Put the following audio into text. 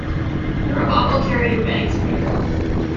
The robot will carry your bags for you.